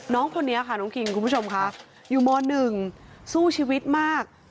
น้องคนนี้ค่ะน้องคิงคุณผู้ชมค่ะอยู่ม๑สู้ชีวิตมาก